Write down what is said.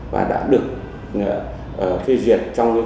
và đã được phê duyệt trong quy định một trăm hai mươi sáu